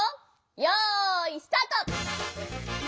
よいスタート！